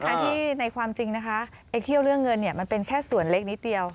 ถ้าที่ในความจริงนะคะเคี่ยวเลื่องเงินมันเป็นแค่ส่วนเล็กนิดเดียว